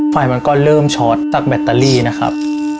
ไฟมันก็เริ่มช็อตจากแบตเตอรี่นะครับ